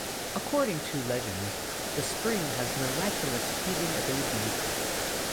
According to legend, the spring has miraculous healing abilities.